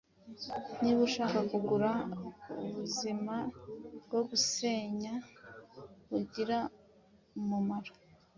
Niba ushaka kugira ubuzima bwo gusenga bugira umumaro,